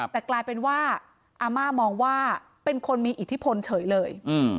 แต่กลายเป็นว่าอาม่ามองว่าเป็นคนมีอิทธิพลเฉยเลย